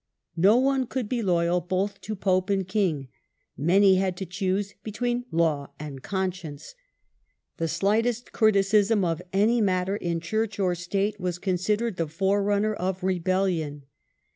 No one could be loyal both to pope and king: many had to choose between law and conscience. The slightest criticism of any matter in church or state was considered the forerunner of rebellion.